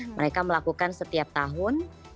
mereka melakukan setiap tahun